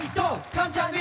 関ジャニ！